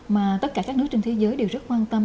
mà tất cả các nước trên thế giới đều rất quan tâm